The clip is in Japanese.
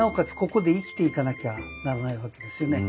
ここで生きていかなきゃならないわけですよね。